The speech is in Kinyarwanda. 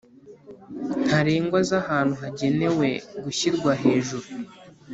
ntarengwa z ahantu hagenewe gushyirwa hejuru